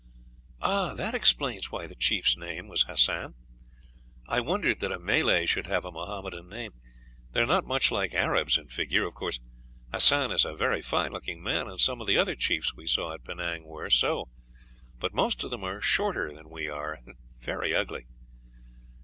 "Ah, that explains why the chief's name was Hassan. I wondered that a Malay should have a Mohammedan name. They are not much like Arabs in figure. Of course, Hassan is a very fine looking man, and some of the other chiefs we saw at Penang were so; but most of them are shorter than we are, and very ugly."